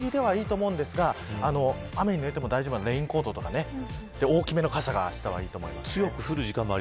あとは、服装とかもちょっと薄着でいいとは思いますが雨に濡れても大丈夫なレインコートとか大きめの傘があしたはいいと思います。